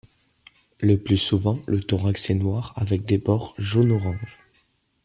Le plus souvent, le thorax est noir avec des bords jaune-orange.